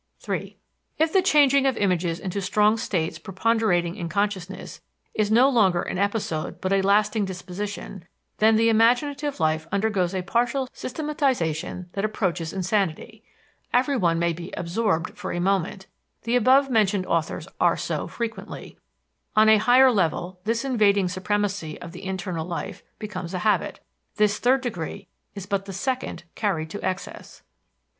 (3) If the changing of images into strong states preponderating in consciousness is no longer an episode but a lasting disposition, then the imaginative life undergoes a partial systematization that approaches insanity. Everyone may be "absorbed" for a moment; the above mentioned authors are so frequently. On a higher level this invading supremacy of the internal life becomes a habit. This third degree is but the second carried to excess.